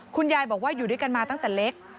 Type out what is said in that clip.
คุณยายบอกว่าอยู่ด้วยกันมาตั้งแต่เล็ก